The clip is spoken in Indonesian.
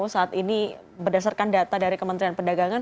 saat ini berdasarkan data dari kementerian perdagangan